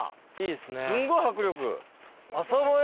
すごい迫力！